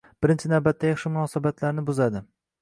birinchi navbatda yaxshi munosabatlarni buzadi.